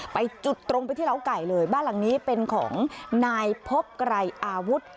ไปจุดตรงไปที่เล้าไก่เลยบ้านหลังนี้เป็นของนายพบไกรอาวุธ